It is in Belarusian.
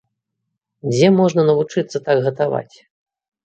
Дзе можна навучыцца так гатаваць?